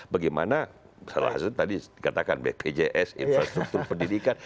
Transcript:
bagaimana salah satu tadi dikatakan bpjs infrastruktur pendidikan